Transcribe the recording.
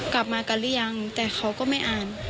กลับมากันหรือยังแต่เขาก็ไม่อ่าน